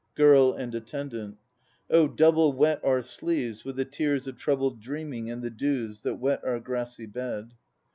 GIRL and ATTENDANT. Oh double wet our sleeves With the tears of troubled dreaming and the dews That wet our grassy bed.